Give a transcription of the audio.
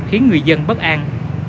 khiến người dân bất an